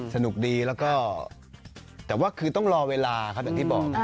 สนุกดีแล้วก็แต่ว่าคือต้องรอเวลาครับอย่างที่บอก